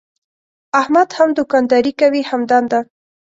احمد هم دوکانداري کوي هم دنده.